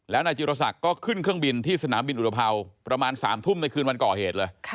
แล้วนายจิรศักดิ์ก็ขึ้นเครื่องบินที่สนามบินอุตภัวร์ประมาณ๓ทุ่มในคืนวันก่อเหตุเลย